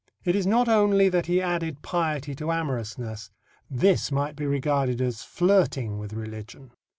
It is not only that he added piety to amorousness. This might be regarded as flirting with religion.